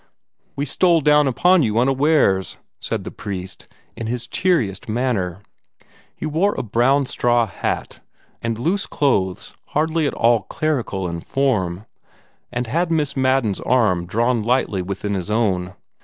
"We stole down upon you unawares," said the priest, in his cheeriest manner. He wore a brown straw hat, and loose clothes hardly at all clerical in form, and had Miss Madden's arm drawn lightly within his own.